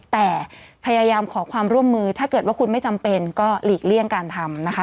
แต่พยายามขอความร่วมมือถ้าเกิดว่าคุณไม่จำเป็นก็หลีกเลี่ยงการทำนะคะ